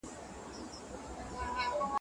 موږ له ټولنيزو پديدو سره څنګه چلند وکړو؟